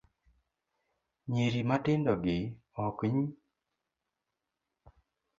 Nyiri matindogi ok ny